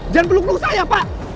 jangan peluk peluk saya pak